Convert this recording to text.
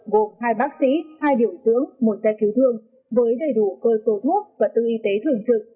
gồm hai bác sĩ hai điều dưỡng một xe cứu thương